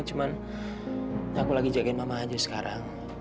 cuman aku lagi jagain mama aja sekarang